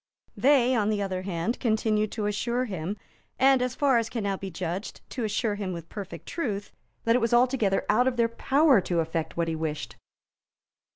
They, on the other hand, continued to assure him, and, as far as can now be judged, to assure him with perfect truth, that it was altogether out of their power to effect what he wished.